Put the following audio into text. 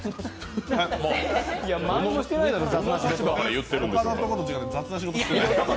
周りもしてないだろ、雑な仕事。